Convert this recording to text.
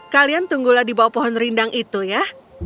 kalian tunggulah di bawah pohon rindang itu ya